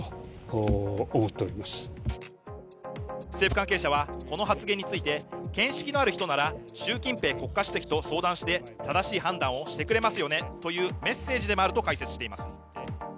政府関係者は、この発言について見識のある人なら習近平国家主席と相談して正しい判断をしてくれますよねというメッセージでもあると解説しています。